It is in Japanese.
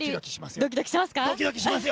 ドキドキしますよ！